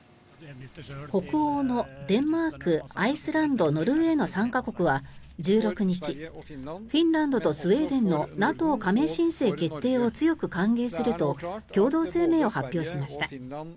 北欧のデンマークアイスランド、ノルウェーの３か国は１６日フィンランドとスウェーデンのＮＡＴＯ加盟申請決定を強く歓迎すると共同声明を発表しました。